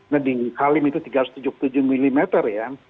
nah di halim itu tiga ratus tujuh puluh tujuh mm ya